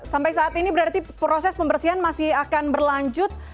sampai saat ini berarti proses pembersihan masih akan berlanjut